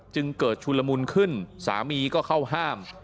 จึงเกิดชุลมุนขึ้นสามีก็เข้าห้าม